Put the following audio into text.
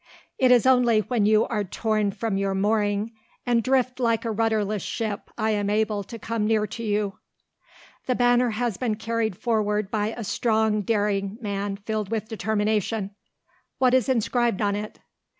"It is only when you are torn from your mooring and drift like a rudderless ship I am able to come near to you." The banner has been carried forward by a strong daring man filled with determination. What is inscribed on it?